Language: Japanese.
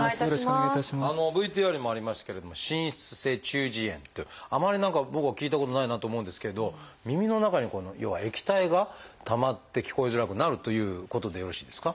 ＶＴＲにもありましたけれども「滲出性中耳炎」というあまり何か僕は聞いたことがないなと思うんですけど耳の中に要は液体がたまって聞こえづらくなるということでよろしいですか？